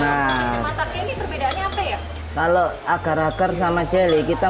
terus kita tuangkan aja gelatinnya